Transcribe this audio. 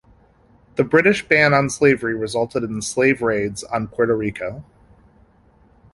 The British ban on slavery resulted in slave raids on Puerto Rico.